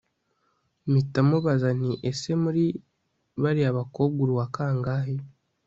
mpita mubaza nti ese muri bariya bakobwa uri uwakangahe